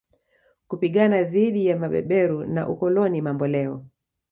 kupigana dhidi ya mabeberu na ukoloni mamboleo